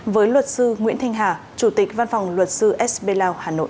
với luật sư nguyễn thanh hà chủ tịch văn phòng luật sư s b lau hà nội